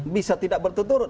bisa tidak berturut turut